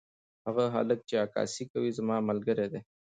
هغه هلک چې عکاسي کوي زما ملګری دی.